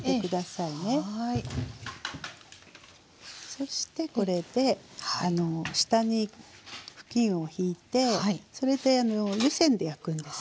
そしてこれで下に布巾をひいてそれで湯煎で焼くんですね。